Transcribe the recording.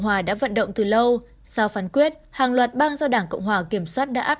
hòa đã vận động từ lâu sau phán quyết hàng loạt bang do đảng cộng hòa kiểm soát đã áp